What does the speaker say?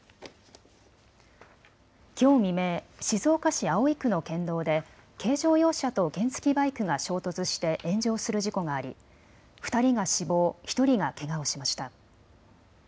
きょう未明、静岡市葵区の県道で軽乗用車と原付きバイクが衝突して炎上する事故があり２人が死亡、１人がけがをしました。